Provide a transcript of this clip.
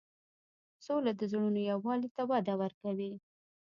سوله د زړونو یووالی ته وده ورکوي.